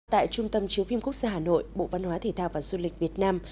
tại trung tâm chiếu phim quốc gia hà nội bộ văn hóa thể thao và du lịch việt nam